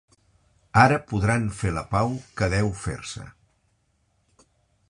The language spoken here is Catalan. Ara podran fer la pau que deu fer-se.